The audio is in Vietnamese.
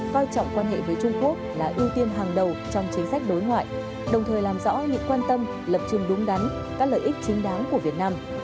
với trung quốc là ưu tiên hàng đầu trong chính sách đối ngoại đồng thời làm rõ những quan tâm lập trưng đúng đắn các lợi ích chính đáng của việt nam